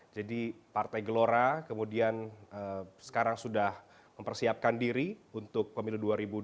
jadi partai gelora kemudian sekarang sudah mempersiapkan diri untuk pemilu dua ribu dua puluh dua